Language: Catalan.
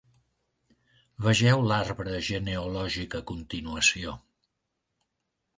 Vegeu l'arbre genealògic a continuació.